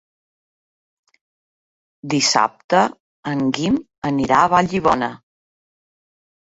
Dissabte en Guim anirà a Vallibona.